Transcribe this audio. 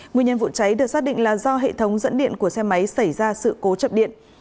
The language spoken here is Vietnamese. nguyên nhân vụ cháy được xác định là do hệ thống dẫn điện của xe máy xảy ra sự cố chập điện